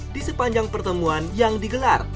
di sepanjang pertemuan yang digelar